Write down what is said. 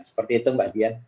seperti itu mbak dian